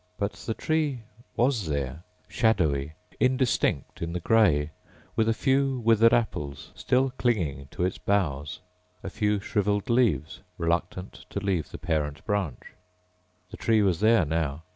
But the tree was there ... shadowy, indistinct in the gray, with a few withered apples still clinging to its boughs, a few shriveled leaves reluctant to leave the parent branch. The tree was there now.